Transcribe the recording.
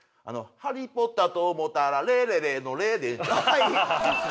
ハリー・ポッターや思うたらレレレのレー！